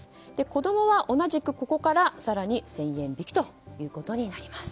子供は同じく、ここから更に１０００円引きとなります。